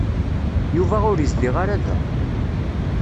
Yuba ur izdiɣ ara da.